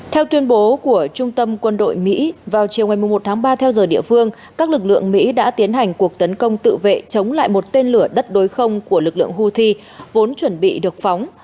theo tuyên bố của trung tâm quân đội mỹ vào chiều ngày một tháng ba theo giờ địa phương các lực lượng mỹ đã tiến hành cuộc tấn công tự vệ chống lại một tên lửa đất đối không của lực lượng houthi vốn chuẩn bị được phóng